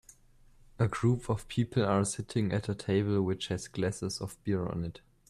A group of people are sitting at a table which has glasses of beer on it.